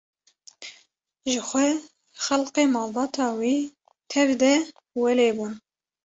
Ji xwe xelkê malbata wî tev de welê bûn.